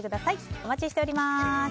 お待ちしております。